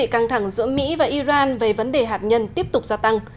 căng thẳng giữa mỹ và iran về vấn đề hạt nhân tiếp tục gia tăng